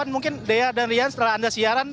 mungkin dea dan rian setelah anda siaran